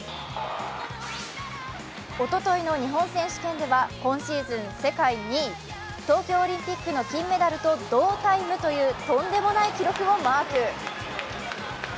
おとといの日本選手権では今シーズン世界２位、東京オリンピックの金メダルと同タイムというとんでもない記録をマーク。